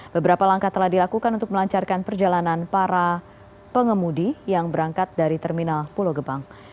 beberapa langkah telah dilakukan untuk melancarkan perjalanan para pengemudi yang berangkat dari terminal pulau gebang